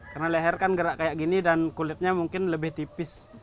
karena leher kan gerak kayak gini dan kulitnya mungkin lebih tipis